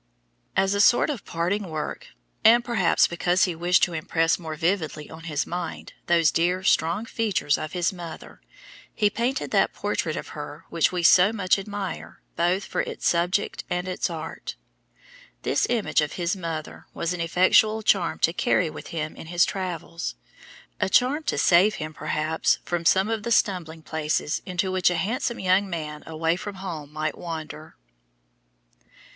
[Illustration: RUBENS' TWO SONS Rubens] As a sort of parting work and, perhaps, because he wished to impress more vividly on his mind those dear, strong features of his mother, he painted that portrait of her which we so much admire both for its subject and its art. This image of his mother was an effectual charm to carry with him in his travels a charm to save him perhaps, from some of the stumbling places into which a handsome young man away from home might wander.